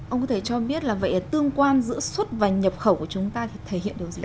ông có thể cho biết là vậy tương quan giữa xuất và nhập khẩu của chúng ta thì thể hiện điều gì